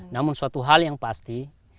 namun suatu hal yang pasti